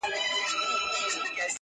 یو ناڅاپه پر یو سیوري برابر سو؛